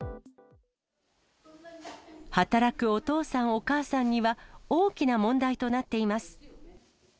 働くお父さん、お母さんには、大きな問題となっています。